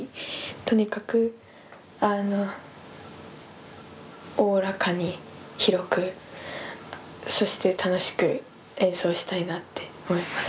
とにかくおおらかに広くそして楽しく演奏したいなって思います。